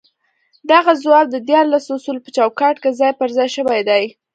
دغه ځواب د ديارلسو اصولو په چوکاټ کې ځای پر ځای شوی دی.